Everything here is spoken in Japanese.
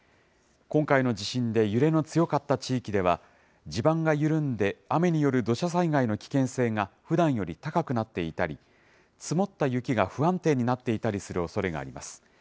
今回の地震で揺れの強かった地域では、地盤が緩んで、雨による土砂災害の危険性がふだんより高くなっていたり、積もった雪が不安定になっていたりするおそれがあります。